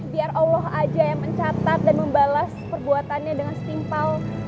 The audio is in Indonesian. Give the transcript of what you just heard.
biar allah aja yang mencatat dan membalas perbuatannya dengan setimpal